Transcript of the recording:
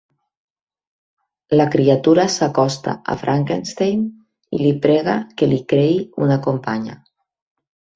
La criatura s'acosta a Frankenstein i li prega que li creï una companya.